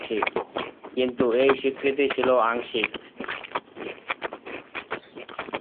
কিন্তু এই স্বীকৃতি ছিল আংশিক।